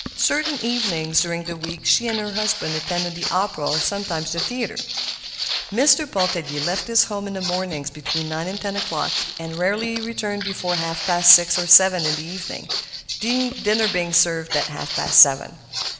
Certain evenings during the week she and her husband attended the opera or sometimes the play. Mr. Pontellier left his home in the mornings between nine and ten o'clock, and rarely returned before half past six or seven in the evening—dinner being served at half past seven.